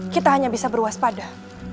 kita hanya bisa berwaspada